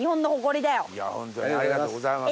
ホントにありがとうございます。